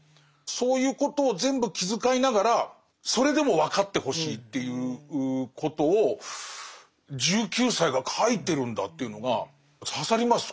そういうことを全部気遣いながらそれでも分かってほしいっていうことを１９歳が書いてるんだっていうのが刺さります